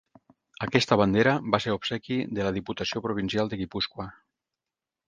Aquesta bandera va ser obsequi de la Diputació Provincial de Guipúscoa.